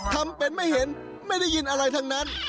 ทำเป็นไม่เห็นไม่ได้ยินอะไรทั้งนั้น